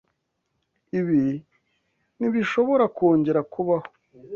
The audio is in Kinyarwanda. Ibi ntibishobora kongera kubaho.